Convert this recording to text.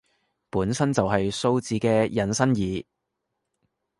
本身就係數字嘅引申義